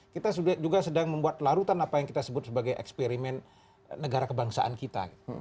kita juga sedang membuat larutan apa yang kita sebut sebagai eksperimen negara kebangsaan kita